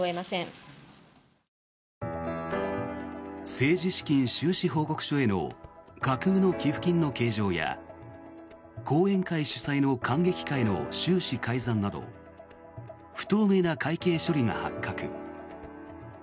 政治資金収支報告書への架空の寄付金の計上や後援会主催の観劇会の収支改ざんなど不透明な会計処理が発覚。